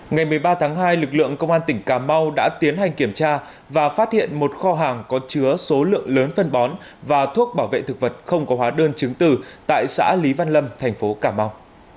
ngày một mươi ba tháng hai lực lượng công an tỉnh cà mau đã tiến hành kiểm tra và phát hiện một kho hàng có chứa số lượng lớn phân bón và thuốc bảo vệ thực vật không có hóa đơn chứng từ tại xã lý văn lâm thành phố cà mau